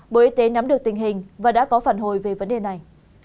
bộ y tế nắm được tình hình và đã có phản hồi về vấn đề này